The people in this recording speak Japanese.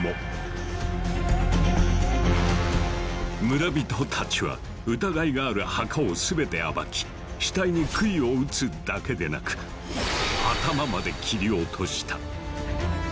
村人たちは疑いがある墓を全て暴き死体に杭を打つだけでなく頭まで切り落とした。